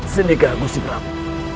senikah gusip prabu